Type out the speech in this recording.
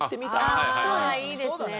ああいいですね。